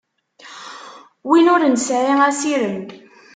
Win ur nesɛi asirem.